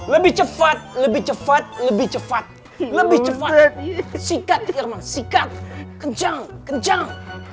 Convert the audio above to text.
lebih cepat lebih cepat lebih cepat lebih cepat sikat firman sikat kejang kencang